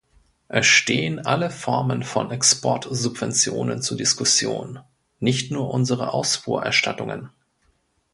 Es stehen alle Formen von Exportsubventionen zur Diskussion, nicht nur unsere Ausfuhrerstattungen.